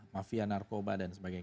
mafia narkoba dan sebagainya